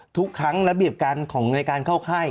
ทุกครั้งระเบียบการของในการเข้าค่าย